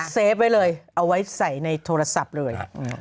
เฟฟไว้เลยเอาไว้ใส่ในโทรศัพท์เลย